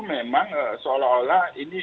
memang seolah olah ini